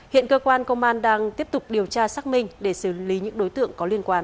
hiện cơ quan công an đang tiếp tục điều tra xác minh để xử lý những đối tượng có liên quan